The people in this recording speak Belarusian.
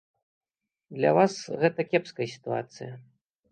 Для вас гэта кепская сітуацыя.